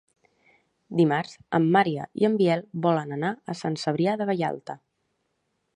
Dimarts en Maria i en Biel volen anar a Sant Cebrià de Vallalta.